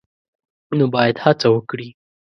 نو باید هڅه وکړي